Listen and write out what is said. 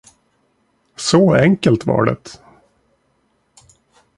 Så enkelt var det.